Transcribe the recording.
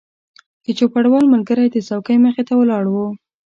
د چوپړوال ملګری د څوکۍ مخې ته ولاړ و.